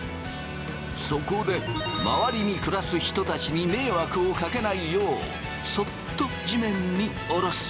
そこで周りに暮らす人たちに迷惑をかけないようそっと地面に下ろす。